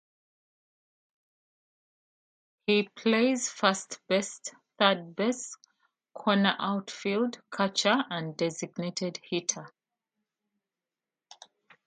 He plays first base, third base, corner outfield, catcher and designated hitter.